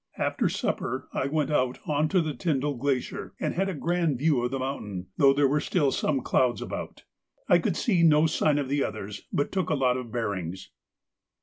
After supper I went out on to the Tyndall Glacier and had a grand view of the mountain, though there were still some clouds about. I could see no sign of the others, but took a lot of bearings.